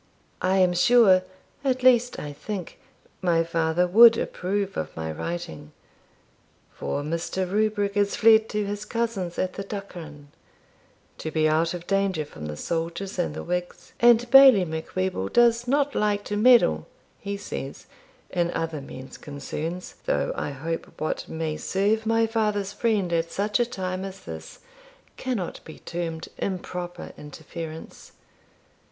I am sure at least I think, my father would approve of my writing; for Mr. Rubrick is fled to his cousin's at the Duchran, to to be out of danger from the soldiers and the Whigs, and Bailie Macwheeble does not like to meddle (he says) in other men's concerns, though I hope what may serve my father's friend at such a time as this cannot be termed improper interference.